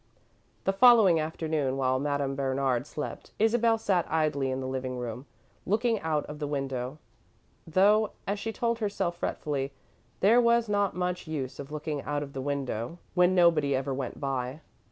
The following afternoon, while Madame Bernard slept, Isabel sat idly in the living room, looking out of the window, though, as she told herself fretfully, there was not much use of looking out of the window when nobody ever went by.